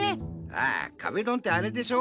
ああ壁ドンってあれでしょ？